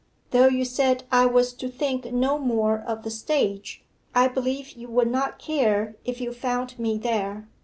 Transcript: Though you said I was to think no more of the stage, I believe you would not care if you found me there.